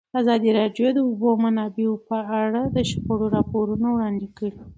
ازادي راډیو د د اوبو منابع په اړه د شخړو راپورونه وړاندې کړي.